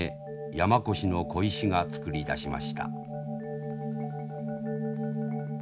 山古志の鯉師が作り出しました。